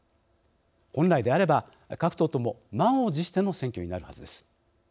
本来であれば、各党とも満を持しての選挙になるはずです。